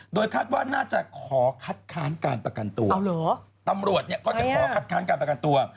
โดยคาดว่าน่าจะขอคัดค้านการประกันตัวตำรวจเนี่ยก็จะขอคัดค้านการประกันตัว